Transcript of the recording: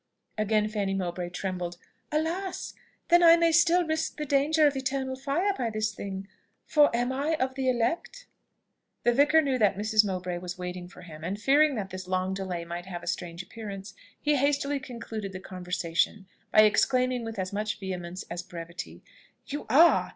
Again Fanny Mowbray trembled. "Alas! then I may still risk the danger of eternal fire by this thing, for am I of the elect?" The vicar knew that Mrs. Mowbray was waiting for him, and fearing that this long delay might have a strange appearance, he hastily concluded the conversation by exclaiming with as much vehemence as brevity, "You are!